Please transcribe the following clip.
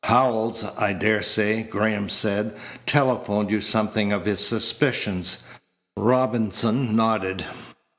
"Howells, I daresay," Graham said, "telephoned you something of his suspicions." Robinson nodded.